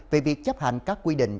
về việc chấp hành các quy định